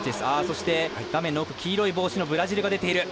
そして、画面の奥黄色い帽子のブラジルが出ている。